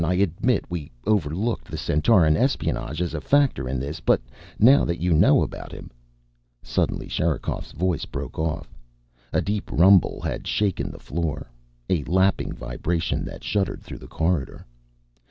I admit we overlooked the Centauran espionage as a factor in this. But now that you know about him " Suddenly Sherikov's voice broke off. A deep rumble had shaken the floor, a lapping vibration that shuddered through the corridor.